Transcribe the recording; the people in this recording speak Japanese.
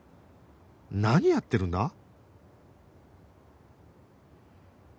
何やってるんだ？